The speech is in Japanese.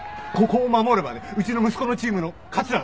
ここを守ればねうちの息子のチームの勝ちだから。